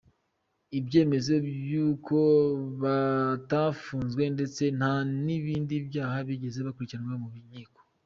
Ibyemezo by’uko batafunzwe, ndetse nta n’ibinbdi byaha bigeze bakurikiranwaho mu nkiko.